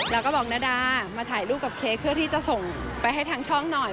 แล้วก็บอกนาดามาถ่ายรูปกับเค้กเพื่อที่จะส่งไปให้ทางช่องหน่อย